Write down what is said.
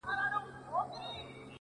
وه ه ژوند به يې تياره نه وي؛